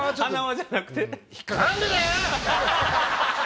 塙じゃなくて。